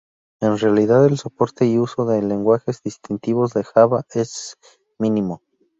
En realidad, el soporte y uso de lenguajes distintos de Java es mínimo.